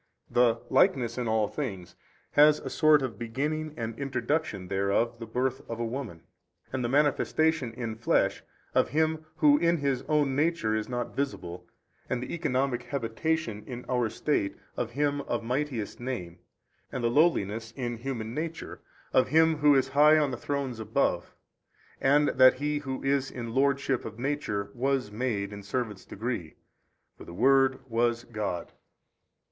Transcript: The likeness in all things has as a sort of beginning and introduction thereof the birth of a woman, and the manifestation in flesh of Him Who in His own Nature is not visible, and the economic habitation in our estate of Him of mightiest Name, and the lowliness in human nature of Him Who is high on the Thrones above, and that He Who is in Lordship of Nature WAS MADE in servants' degree: for the Word was God.